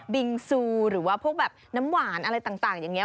บิงซูหรือว่าพวกแบบน้ำหวานอะไรต่างอย่างนี้